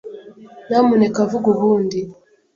Nyamuneka vuga ubundi.